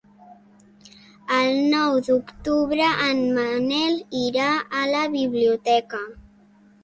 El nou d'octubre en Manel irà a la biblioteca.